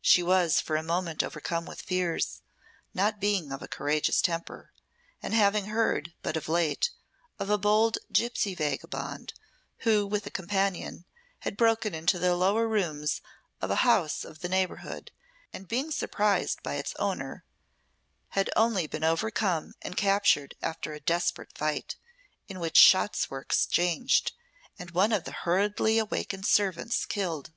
She was for a moment overcome with fears, not being of a courageous temper, and having heard, but of late, of a bold gipsy vagabond who, with a companion, had broken into the lower rooms of a house of the neighbourhood, and being surprised by its owner, had only been overcome and captured after a desperate fight, in which shots were exchanged, and one of the hurriedly awakened servants killed.